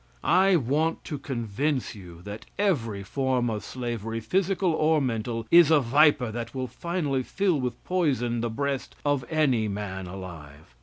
I want to convince you that every form of slavery, physical or mental, is a viper that will finally fill with poison the breast of any man alive.